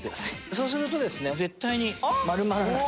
そうすると絶対に丸まらない。